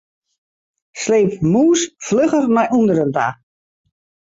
Sleep mûs flugger nei ûnderen ta.